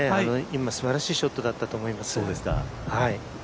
今すばらしいショットだったと思います。